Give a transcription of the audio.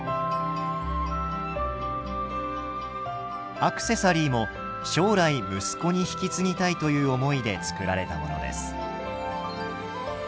アクセサリーも将来息子に引き継ぎたいという思いで作られたものです。